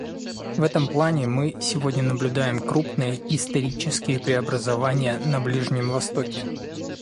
В этом плане мы сегодня наблюдаем крупные, исторические преобразования на Ближнем Востоке.